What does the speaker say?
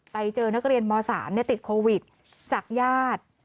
ไปเจอนักเรียนม๓ติดโควิดจากญาติ